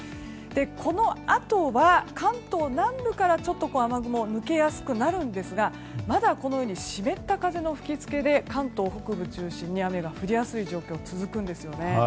このあとは関東南部から雨雲は抜けやすくなりますがまだこのように湿った風の吹き付けで関東北部中心に雨が降りやすい状況が続くんですよね。